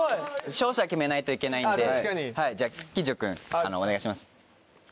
・勝者決めないといけないんでじゃあ金城君お願いします。